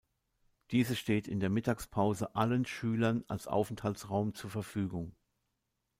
Diese steht in der Mittagspause allen Schülern als Aufenthaltsraum zur Verfügung.